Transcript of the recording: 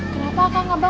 kenapa kak ngaba